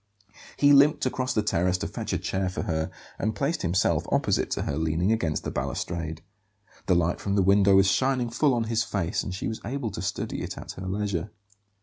He limped across the terrace to fetch a chair for her, and placed himself opposite to her, leaning against the balustrade. The light from a window was shining full on his face; and she was able to study it at her leisure.